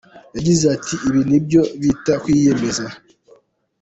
Yagize ati “Ibi nibyo bita kwiyemeza.